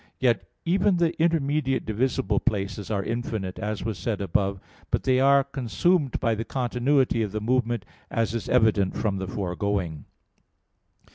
Yet even the intermediate divisible places are infinite, as was said above: but they are consumed by the continuity of the movement, as is evident from the foregoing.